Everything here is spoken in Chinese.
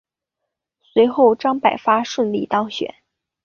随后张百发顺利当选。